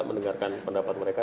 mendengarkan pendapat mereka